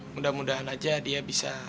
mudah mudahan aja dia bisa